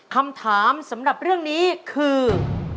คำถามสำหรับเรื่องนี้คือ